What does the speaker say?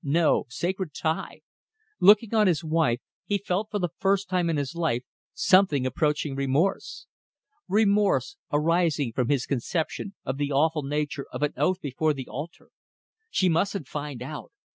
No ... sacred tie. ... Looking on his wife, he felt for the first time in his life something approaching remorse. Remorse, arising from his conception of the awful nature of an oath before the altar. ... She mustn't find out.